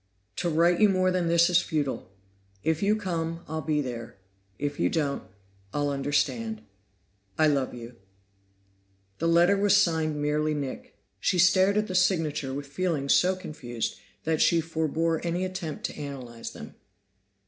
"To write you more than this is futile. If you come, I'll be there; if you don't, I'll understand. "I love you." The letter was signed merely "Nick." She stared at the signature with feelings so confused that she forebore any attempt to analyze them.